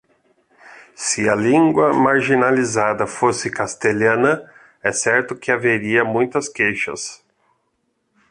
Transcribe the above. Se a língua marginalizada fosse castelhana, é certo que haveria muitas queixas.